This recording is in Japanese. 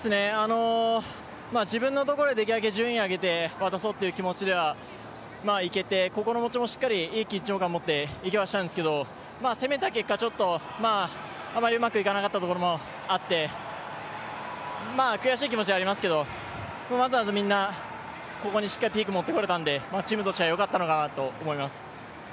自分のところでできるだけ順位を上げて渡そうという心持ちもしっかり、いい緊張感をもって、いけはしたんですけど、攻めた結果、あまりうまくいかなかったところもあって悔しい気持ちはありますけれども、まずまずみんなここにピークを持ってこれたのでチームとしてはよかったのかなと思います。